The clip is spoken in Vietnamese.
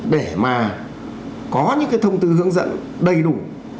để mà có những cái thông tư hướng dẫn đầy đủ